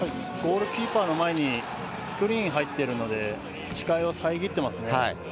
ゴールキーパーの前にスクリーン入っているので視界を遮っていますね。